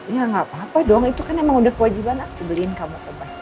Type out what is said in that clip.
ya nggak apa apa dong itu kan emang udah kewajiban aku dibeliin kamu obat